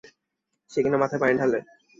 সে কিনা মাথায় পানি ঢালে।